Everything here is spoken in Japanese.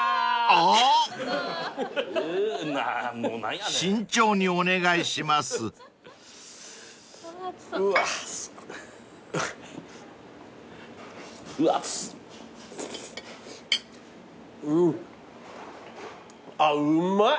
あっうまい。